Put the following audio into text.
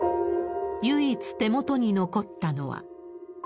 唯一手元に残ったのは。